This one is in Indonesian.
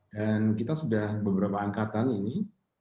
dan kita sudah beberapa angkatan ini